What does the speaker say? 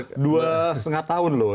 dua setengah tahun loh